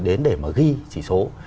đến để mà ghi chỉ số